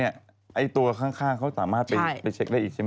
ไอ้ตัวข้างเขาสามารถไปเช็คได้อีกใช่ไหม